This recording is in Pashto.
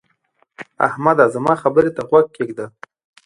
احمده! زما خبرې ته غوږ کېږده.